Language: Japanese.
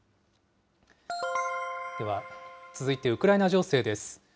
では、続いてウクライナ情勢です。